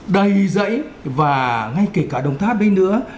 đầy dãy và ngay kể cả đồng tháp đấy nữa